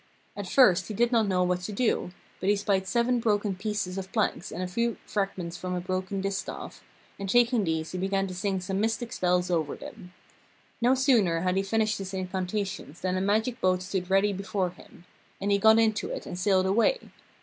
At first he did not know what to do, but he spied seven broken pieces of planks and a few fragments from a broken distaff, and taking these he began to sing some mystic spells over them. No sooner had he finished his incantations than a magic boat stood ready before him, and he got into it and sailed away.